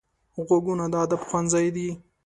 غوږونه د ادب ښوونځی دي